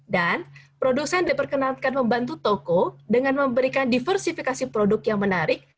dan produsen diperkenalkan membantu toko dengan memberikan diversifikasi produk yang menarik